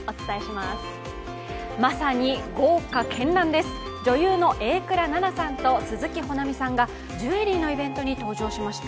まさに豪華けんらんです、女優の榮倉奈々さんと鈴木保奈美さんがジュエリーのイベントに登場しました。